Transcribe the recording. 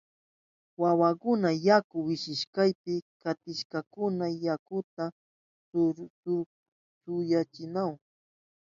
Wawakuna yaku wishihushkapi kantishpankuna yakuta susyachinahun.